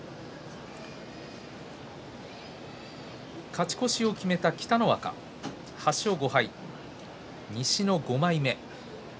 勝ち越しを決めた北の若８勝５敗、西の５枚目。